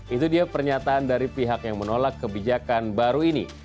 itu dia pernyataan dari pihak yang menolak kebijakan baru ini